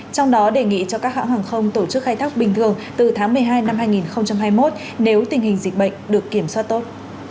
trong đó đề nghị cho các hãng hàng không tổ chức khai thác bình thường từ tháng một mươi hai năm hai nghìn hai mươi một nếu tình hình dịch bệnh được kiểm soát tốt